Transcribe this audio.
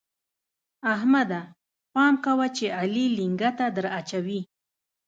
احمده! پام کوه چې علي لېنګته دراچوي.